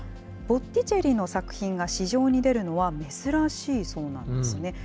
ボッティチェリの作品が市場に出るのは珍しいそうなんですね。